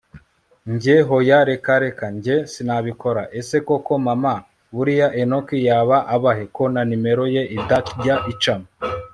njye hoya reka reka njye sinabikora, ese koko mama buriya enock yaba abahe ko na nimero ye itajya icamo!